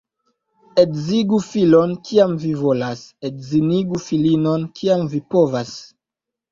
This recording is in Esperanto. Edzigu filon, kiam vi volas, — edzinigu filinon, kiam vi povas.